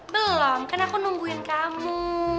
belom kan aku nungguin kamu